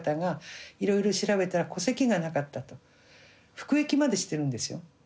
服役までしてるんですよ。